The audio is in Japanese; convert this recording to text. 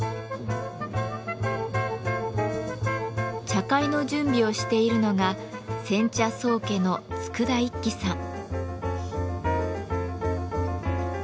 茶会の準備をしているのが煎茶宗家の佃一輝さん。